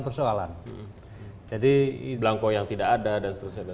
belangkau yang tidak ada dan seterusnya